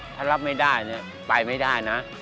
ถ้ารับไม่ได้ไปไม่ได้นะ